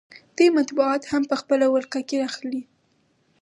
دوی مطبوعات هم په خپله ولکه کې اخلي